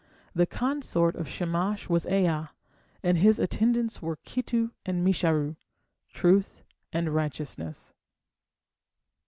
The consort of Shamash was Aa, and his attendants were Kittu and Mesharu, "Truth" and "Righteousness".